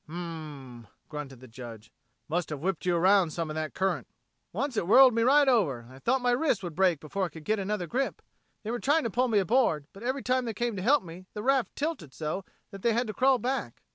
"Hm m m!" grunted the Judge, "must have whipped you around some in that current!" "Once it whirled me right over, and I thought my wrists would break before I could get another grip. They were trying to pull me aboard, but every time they came to help me the raft tilted so that they had to crawl back."